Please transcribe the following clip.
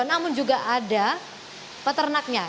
namun juga ada peternaknya